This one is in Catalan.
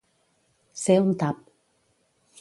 Ser un tap.